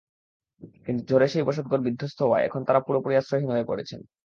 কিন্তু ঝড়ে সেই বসতঘর বিধ্বস্ত হওয়ায় এখন তাঁরা পুরোপুরি আশ্রয়হীন হয়ে পড়েছেন।